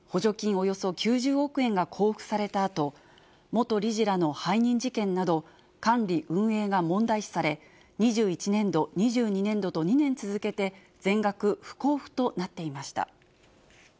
およそ９０億円が交付されたあと、元理事らの背任事件など、管理運営が問題視され、２１年度、２２年度と２年続けて、全額不交付となっていました。